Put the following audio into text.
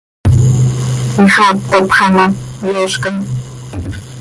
Ixaap tapxa ma, yoozcam.